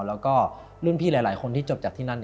แล้วก็รุ่นพี่หลายคนที่จบจากที่นั่น